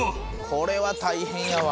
これは大変やわ。